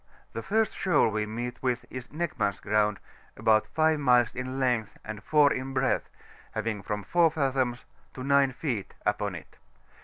— ^The first shoal we meet with is NechmcaCs Ground^ about 5 miles in length, and 4 in breadth, having from 4 fathoms to 9 feet upon it.